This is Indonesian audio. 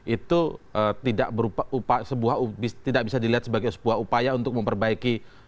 itu tidak bisa dilihat sebagai sebuah upaya untuk memperbaiki